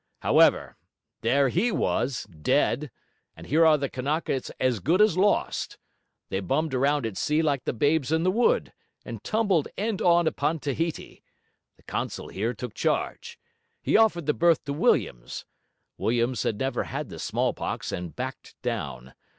However, there HE was, dead; and here are the Kanakas as good as lost. They bummed around at sea like the babes in the wood; and tumbled end on upon Tahiti. The consul here took charge. He offered the berth to Williams; Williams had never had the smallpox and backed down.